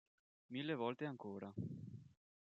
Mille volte ancora